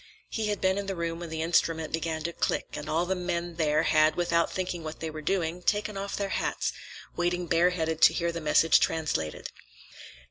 He had been in the room when the instrument began to click, and all the men there had, without thinking what they were doing, taken off their hats, waiting bareheaded to hear the message translated.